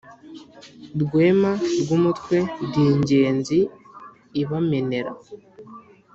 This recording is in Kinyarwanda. rwema rw'umutwe ndi ingenzi ibamenera.